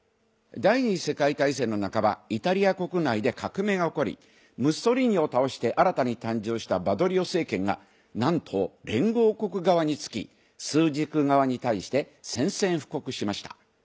第２次世界大戦の半ばイタリア国内で革命が起こりムッソリーニを倒して新たに誕生したバドリオ政権が何と連合国側に付き枢軸側に対して宣戦布告しました。